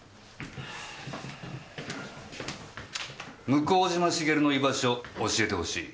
向島茂の居場所教えて欲しい。